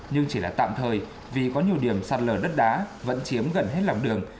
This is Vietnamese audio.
nhưng chỉ là tạm thời vì có nhiều điểm sạt lở đất đá vẫn chiếm gần hết lòng đường